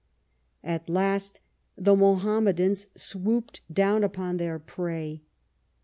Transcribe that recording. At last the Mohammedans swooped down upon their prey.